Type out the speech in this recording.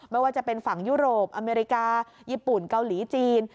ไม่ว่าจะเป็นฝั่งยุโรปอเมริกาญี่ปุ่นเกาหลีจีน